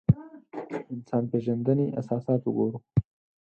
انسان پېژندنې اساسات وګورو.